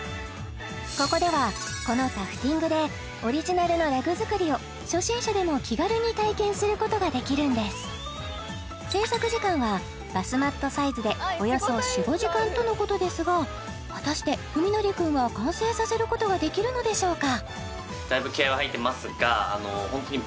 ここではこのタフティングでオリジナルのラグ作りを初心者でも気軽に体験することができるんです製作時間はバスマットサイズでおよそ４５時間とのことですが果たして史記くんは完成させることができるのでしょうか